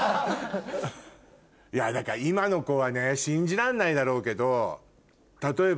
いやだから今の子はね信じらんないだろうけど例えば。